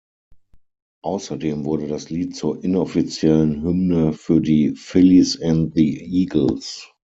Außerdem wurde das Lied zur inoffiziellen Hymne für die „Phillies and the Eagles“.